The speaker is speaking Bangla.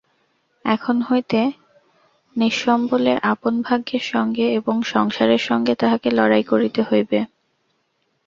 এখন হইতে নিঃসম্বলে আপন ভাগ্যের সঙ্গে এবং সংসারের সঙ্গে তাহাকে লড়াই করিতে হইবে।